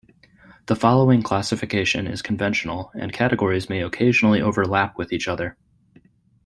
The following classification is conventional and categories may occasionally overlap with each other.